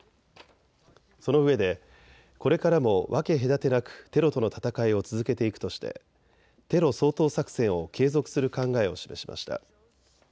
そのうえで、これからも分け隔てなくテロとの闘いを続けていくとしてテロ掃討作戦を継続する考えを示しました。